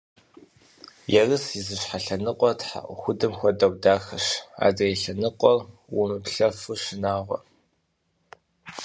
Ерыс и зы щхьэ лъэныкъуэр тхьэӏухудым хуэдэу дахэщ, адрей лъэныкъуэр уӏумыплъэфу шынагъуащ.